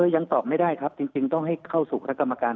ยังตอบไม่ได้ครับจริงต้องให้เข้าสู่คณะกรรมการ